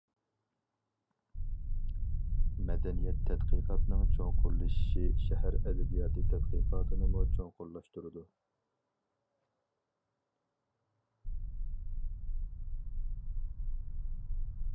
مەدەنىيەت تەتقىقاتىنىڭ چوڭقۇرلىشىشى شەھەر ئەدەبىياتى تەتقىقاتىنىمۇ چوڭقۇرلاشتۇرىدۇ.